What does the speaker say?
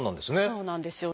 そうなんですよ。